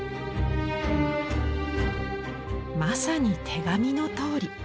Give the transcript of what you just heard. まさに手紙のとおり。